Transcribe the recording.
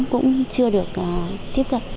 cũng chưa được tiếp cận